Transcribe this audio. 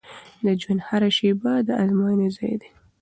د ژوند هره شیبه د ازموینې ځای دی.